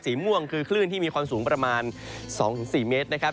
ม่วงคือคลื่นที่มีความสูงประมาณ๒๔เมตรนะครับ